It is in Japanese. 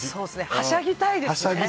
はしゃぎたいですね。